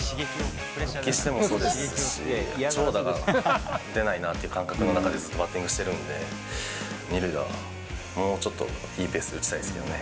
復帰してもそうですし、長打が出ないなっていう感覚の中で、ずっとバッティングしてるんで、２塁打、もうちょっといいペースで打ちたいですけどね。